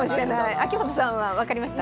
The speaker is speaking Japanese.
秋元さんは分かりました？